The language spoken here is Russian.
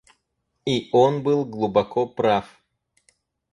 И он был глубоко прав.